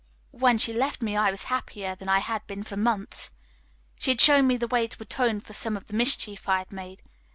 When she left me I was happier than I had been for months. She had shown me the way to atone for some of the mischief I had made.